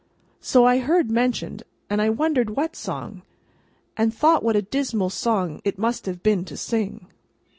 So I heard mentioned, and I wondered what song, and thought what a dismal song it must have been to sing!